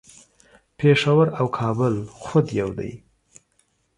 پیښور او کابل خود یو دي